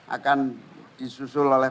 akan disusul oleh partai partai yang berkelanjutan